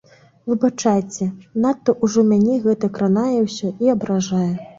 Выбачайце, надта ўжо мяне гэта кранае ўсё і абражае.